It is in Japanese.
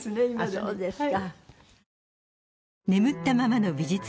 そうですか。